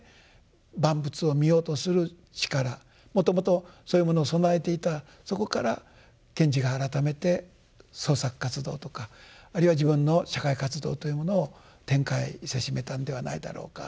もともとそういうものを備えていたそこから賢治が改めて創作活動とかあるいは自分の社会活動というものを展開せしめたんではないだろうか。